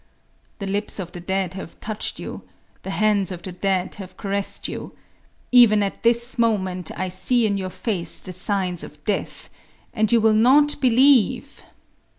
… The lips of the dead have touched you!—the hands of the dead have caressed you!… Even at this moment I see in your face the signs of death—and you will not believe!